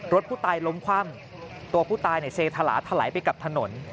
รถผู้ตายล้มคว่ำตัวผู้ตายเซธลาถลายไปกับถนน